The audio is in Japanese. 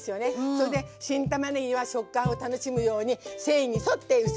それで新たまねぎは食感を楽しむように繊維に沿って薄切りにしてあります！